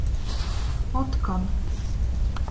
Otkon.